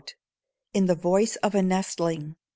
in the voice of a nestling.